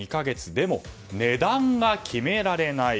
でも値段が決められない。